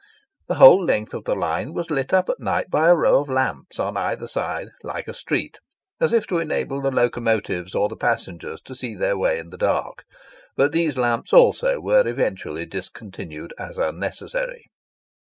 The whole length of the line was lit up at night by a row of lamps on either side like a street, as if to enable the locomotives or the passengers to see their way in the dark; but these lamps also were eventually discontinued as unnecessary.